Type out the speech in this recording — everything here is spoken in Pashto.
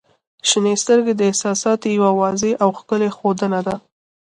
• شنې سترګې د احساساتو یوه واضح او ښکلی ښودنه ده.